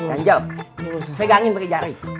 ganjal pegangin pake jari